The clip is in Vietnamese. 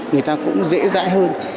người ta cũng dễ dãi hơn